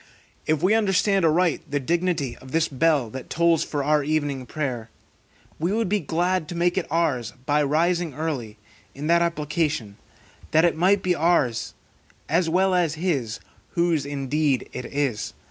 If we understand aright the dignity of this bell that tolls for our evening prayer, we would be glad to make it ours by rising early, in that application, that it might be ours as well as his, whose indeed it is.